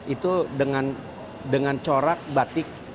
itu dengan corak batik